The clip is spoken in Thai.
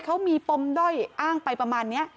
เขามีปมด้อยอ้างไปประมาณนี้